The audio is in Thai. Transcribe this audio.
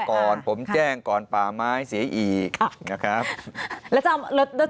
ด้วยอ่าผมแจ้งก่อนป่าไม้เสียอีกค่ะนะครับแล้วแล้วแล้ว